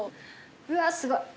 うわすごい。